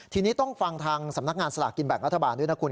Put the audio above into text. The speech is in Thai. ทีนี้ต้องฟังทางสำนักงานสลากกินแบ่งรัฐบาลด้วยนะคุณ